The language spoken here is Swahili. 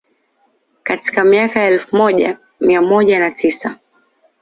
Katika miaka ya elfu moja mia moja na tisa